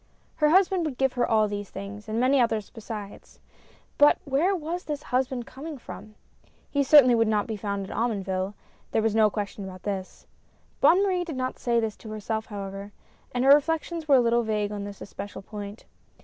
Her husband would give her all these things, and many others besides. But where was this husband coming from ? He certainly would not be found in Omonville — there was no question about this. Bonne Marie did not say this to herself however, and her reflections were a little vague on this especial point.